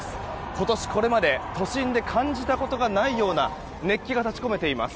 今年、これまで都心で感じたことがないような熱気が立ち込めています。